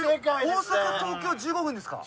大阪東京１５分ですか。